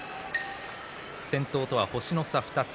先頭とは星の差２つ。